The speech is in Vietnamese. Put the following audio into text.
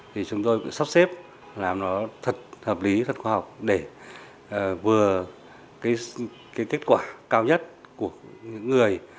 thì chúng tôi cũng sắp xếp làm nó thật hợp lý thật khoa học để vừa cái kết quả cao nhất của những người